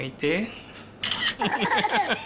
アハハハ。